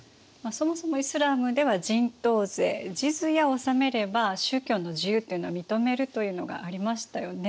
そもそもイスラームでは人頭税ジズヤを納めれば宗教の自由というのは認めるというのがありましたよね。